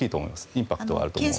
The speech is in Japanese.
インパクトがあると思います。